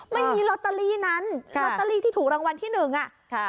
ไม่มีลอตเตอรี่นั้นลอตเตอรี่ที่ถูกรางวัลที่หนึ่งอ่ะค่ะ